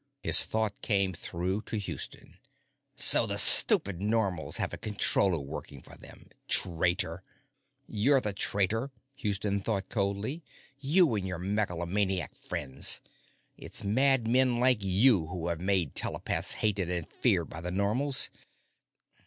His thought came through to Houston: So the stupid Normals have a Controller working for them! Traitor! You're the traitor, Houston thought coldly. _You and your megalomaniac friends. It's madmen like you who have made telepaths hated and feared by the Normals.